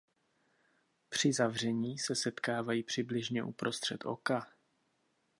Při zavření se setkávají přibližně uprostřed oka.